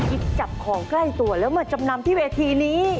จับของใกล้ตัวแล้วมาจำนำที่เวทีนี้